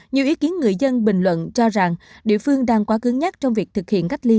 nhiều ý kiến người dân bình luận cho rằng địa phương đang quá cứng nhắc trong việc thực hiện cách ly